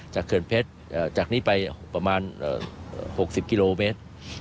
เขื่อนเพชรจากนี้ไปประมาณ๖๐กิโลเมตร